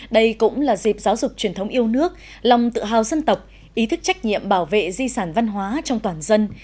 đây cũng là dịp giáo dục truyền thống yêu nước lòng tự hào dân tộc ý thức trách nhiệm bảo vệ di sản văn hóa trong toàn dân